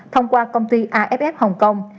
thông qua công ty aff hong kong